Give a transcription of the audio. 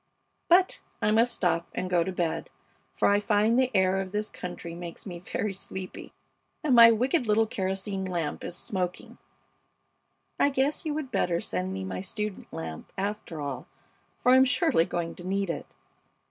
But I must stop and go to bed, for I find the air of this country makes me very sleepy, and my wicked little kerosene lamp is smoking. I guess you would better send me my student lamp, after all, for I'm surely going to need it.